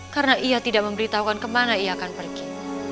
karena ia tidak memberitahukan kemana ia akan pergi